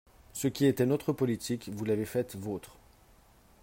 Ce qui était notre politique, vous l’avez faite vôtre.